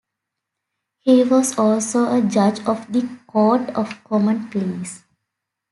He was also a judge of the court of common pleas.